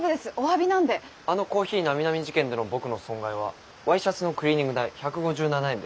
あのコーヒーなみなみ事件での僕の損害はワイシャツのクリーニング代１５７円です。